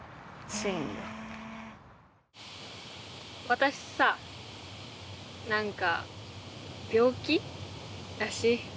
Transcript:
私さ、何か病気らしい。